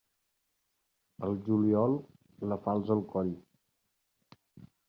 Al juliol, la falç al coll.